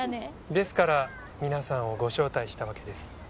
ですから皆さんをご招待したわけです。